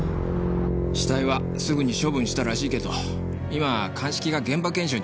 死体はすぐに処分したらしいけど今鑑識が現場検証に行ってるから。